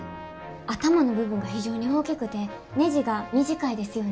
頭の部分が非常に大きくてねじが短いですよね？